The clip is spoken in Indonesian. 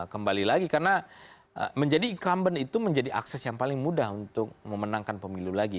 kembali lagi karena menjadi incumbent itu menjadi akses yang paling mudah untuk memenangkan pemilu lagi